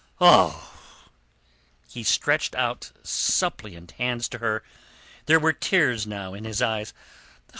Oh!" He stretched out suppliant hands to her; there were tears now in his eyes.